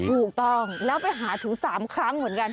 ถูกต้องแล้วไปหาถึง๓ครั้งเหมือนกัน